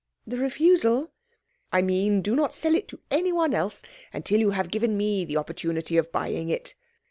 "The refusal?" "I mean, do not sell it to anyone else until you have given me the opportunity of buying it."